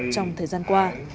trong thời gian qua